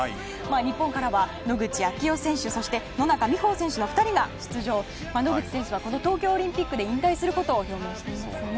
日本からは野口啓代選手そして野中生萌選手の２人が出場野口選手はこの東京オリンピックで引退することを表明しています。